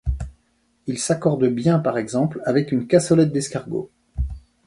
Ils s'accordent bien par exemple avec une cassolette d'escargots.